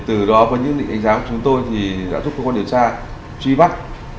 từ đó với những định ánh giá của chúng tôi thì đã giúp cơ quan điều tra truy mắc